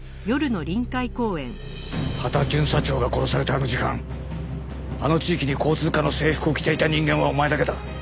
羽田巡査長が殺されたあの時間あの地域に交通課の制服を着ていた人間はお前だけだ。